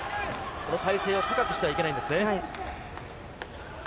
この体勢を高くしてはいけないんですね。